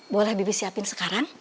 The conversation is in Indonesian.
boleh bibi siapin sekarang